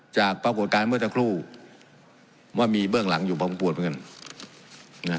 จากปรากฏการณ์เมื่อเถ้าครู่ว่ามีเบื้องหลังอยู่บ้างพูดเพราะงั้น